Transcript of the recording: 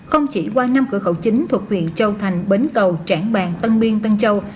không chỉ qua năm cửa khẩu chính thuộc huyện châu thành bến cầu trảng bàng tân biên tân châu